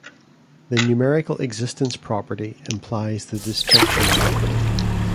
The numerical existence property implies the disjunction property.